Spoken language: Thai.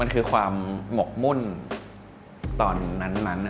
มันคือความหมกมุ่นตอนนั้น